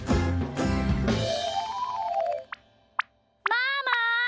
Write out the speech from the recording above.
ママ！